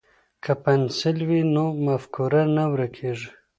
که پنسل وي نو مفکوره نه ورکیږي.